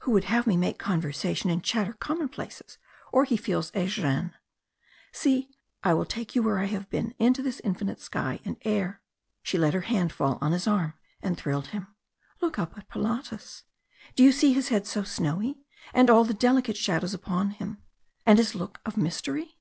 who would have me make conversation and chatter commonplaces or he feels a gêne! See, I will take you where I have been into this infinite sky and air" she let her hand fall on his arm and thrilled him "look up at Pilatus. Do you see his head so snowy, and all the delicate shadows upon him, and his look of mystery?